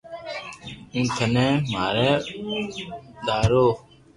ھون ٿني ماري دآيو